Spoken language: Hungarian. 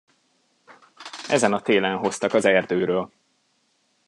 Ezen a télen hoztak az erdőről.